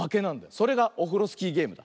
それがオフロスキーゲームだ。